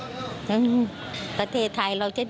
ท่ายังขอทีพิเศษท่าออกมาบ้าง